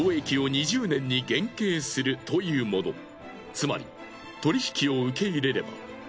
つまり取り引きを受け入れれば。